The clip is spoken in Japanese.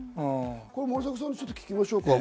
森迫さんに聞きましょう。